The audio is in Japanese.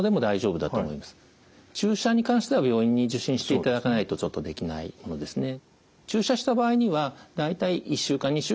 注射に関しては病院に受診していただかないとちょっとできないものですね。